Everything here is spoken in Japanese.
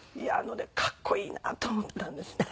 かっこいいなと思ったんですね。